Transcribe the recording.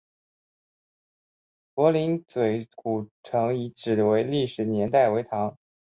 柏林嘴古城遗址的历史年代为唐。